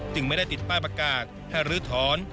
ไม่ได้ติดป้ายประกาศให้รื้อถอน